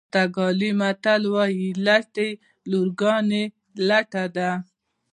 پرتګالي متل وایي لټې لورګانې لټه دي.